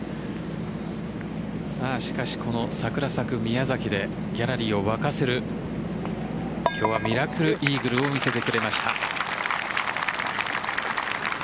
しかし、この桜咲く宮崎でギャラリーを沸かせる今日はミラクルイーグルを見せてくれました。